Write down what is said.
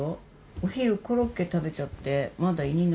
お昼コロッケ食べちゃってまだ胃に残ってんのよ。